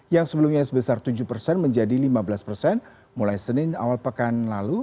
yang sebelumnya sebesar tujuh persen menjadi lima belas persen mulai senin awal pekan lalu